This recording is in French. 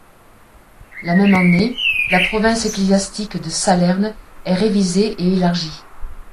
La même année, la province ecclésiastique de Salerne est révisée et élargie.